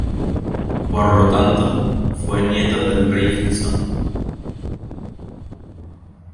Por lo tanto, fue nieto del rey frisón.